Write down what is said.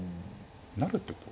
成るってこと？